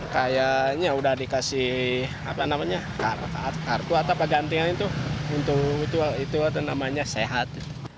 kayaknya udah dikasih kartu atau pegantian itu untuk itu namanya sehat